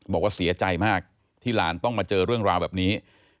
บอกว่าเสียใจมากที่หลานต้องมาเจอเรื่องราวแบบนี้